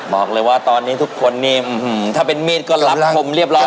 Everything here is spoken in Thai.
บอกเลยว่าตอนนี้ทุกคนนี่ถ้าเป็นมีดก็รับคมเรียบร้อย